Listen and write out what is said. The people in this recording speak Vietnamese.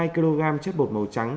hai kg chất bột màu trắng